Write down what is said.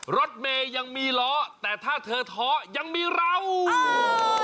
รถเมย์ยังมีล้อแต่ถ้าเธอท้อยังมีเราโอ้โห